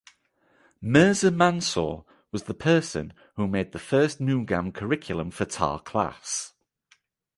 Mirza Mansur was the person who made the first mugam curriculum for tar class.